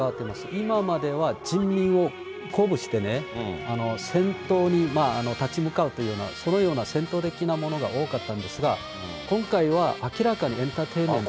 今までは人民を鼓舞してね、戦闘に立ち向かうというような、そういうような戦闘的なものが多かったんですが、今回は明らかにエンターテインメント。